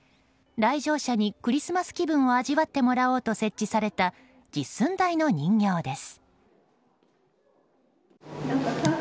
来場者にクリスマス気分を味わってもらおうと設置された実寸大の人形です。